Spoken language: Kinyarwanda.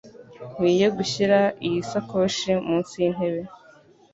Nkwiye gushyira iyi sakoshi munsi yintebe?